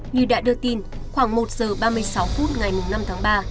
như đã đưa tin khoảng một giờ ba mươi sáu phút ngày năm tháng ba